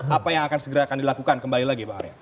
apa yang akan segera akan dilakukan kembali lagi bang arya